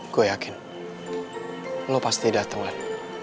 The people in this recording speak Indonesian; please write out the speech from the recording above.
gue yakin lo pasti dateng lan